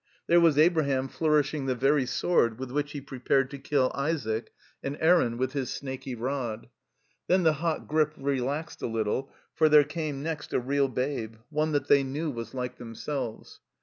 There was Abraham flourishing the very sword with which he prepared to kill Isaac, and Aaron with his snaky rod. Then the hot grip relaxed a little, for there came next a real babe, one that they knew was like themselves.